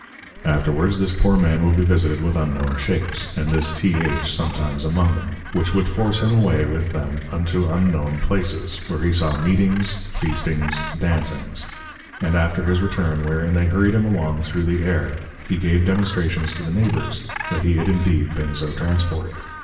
Afterwards, this poor Man would be visited with unknown shapes, and this T. H. sometimes among them; which would force him away with them, unto unknown Places, where he saw Meetings, Feastings, Dancings; and after his return, wherein they hurried him along through the Air, he gave Demonstrations to the Neighbours, that he had indeed been so transported.